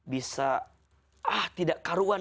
bisa tidak karuan